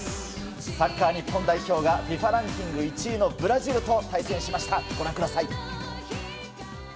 サッカー日本代表がＦＩＦＡランキング１位のブラジルと対戦しました。